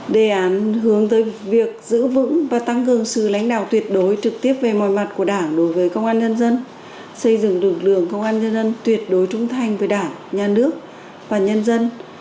đề án hướng tới việc giữ vững và tăng cường sự lãnh đạo tuyệt đối trực tiếp về mọi mặt của đảng đối với công an nhân dân xây dựng lực lượng công an nhân dân tuyệt đối trung thành với đảng nhà nước và nhân dân